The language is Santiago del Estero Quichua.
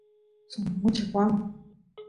suk mucha qoanku